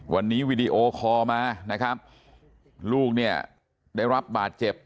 วันนี้วีดีโอคอลมานะครับลูกเนี่ยได้รับบาดเจ็บ